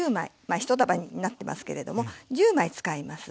まあ１束になってますけれども１０枚使います。